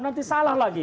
nanti salah lagi